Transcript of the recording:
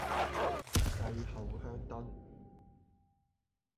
繼後香燈